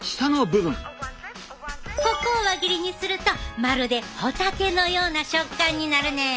ここを輪切りにするとまるでホタテのような食感になるねん。